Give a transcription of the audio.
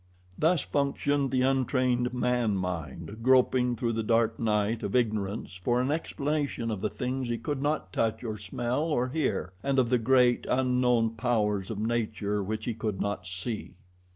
Thus functioned the untrained man mind groping through the dark night of ignorance for an explanation of the things he could not touch or smell or hear and of the great, unknown powers of nature which he could not see.